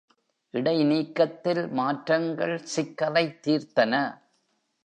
இடைநீக்கத்தில் மாற்றங்கள் சிக்கலைத் தீர்த்தன.